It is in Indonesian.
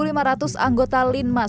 terutama saat puncak arus kendaraan terjadi